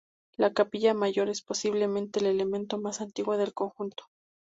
La capilla mayor es posiblemente el elemento más antiguo del conjunto.